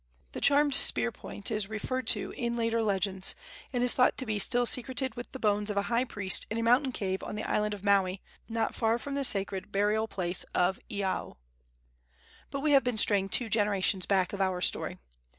The charmed spear point is referred to in later legends, and is thought to be still secreted with the bones of a high priest in a mountain cave on the island of Maui, not far from the sacred burial place of Iao. But we have been straying two generations back of our story.